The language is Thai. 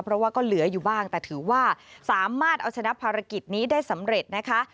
เพราะว่าก็เหลืออยู่บ้างแต่ถือว่าสามารถเอาชนะภารกิจนี้ได้สำเร็จนะคะ